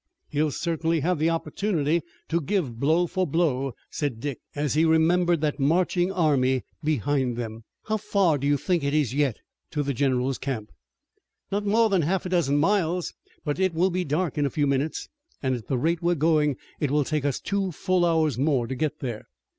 "He'll certainly have the opportunity to give blow for blow," said Dick, as he remembered that marching army behind them. "How far do you think it is yet to the general's camp?" "Not more than a half dozen miles, but it will be dark in a few minutes, and at the rate we're going it will take us two full hours more to get there."